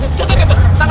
itu dia kita tangkap